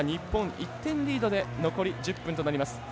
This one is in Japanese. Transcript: １点リードで残り１０分となります。